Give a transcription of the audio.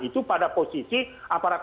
itu pada posisi aparat